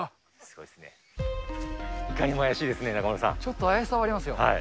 いかにも怪しいですね、ちょっと怪しさはありますよ。